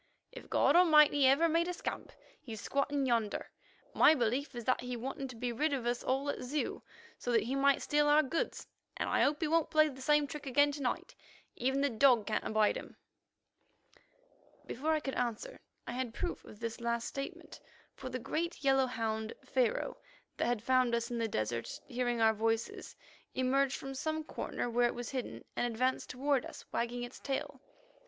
"If God Almighty ever made a scamp, he's squatting yonder. My belief is that he wanted to be rid of us all at Zeu, so that he might steal our goods, and I hope he won't play the same trick again to night. Even the dog can't abide him." Before I could answer, I had proof of this last statement, for the great yellow hound, Pharaoh, that had found us in the desert, hearing our voices, emerged from some corner where it was hidden, and advanced toward us, wagging its tail.